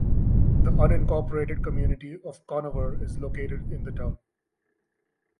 The unincorporated community of Conover is located in the town.